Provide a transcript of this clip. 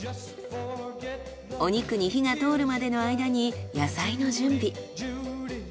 お肉に火が通るまでの間に野菜の準備。